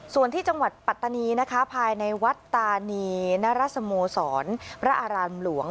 ส่วนที่จังหวัดปัตตานีนะคะภายในวัดตานีนรสโมสรพระอารามหลวง